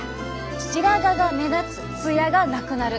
白髪が目立つツヤがなくなる。